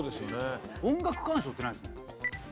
音楽鑑賞ってないですよね？